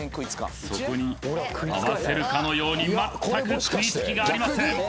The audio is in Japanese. そこに合わせるかのように全く食いつきがありません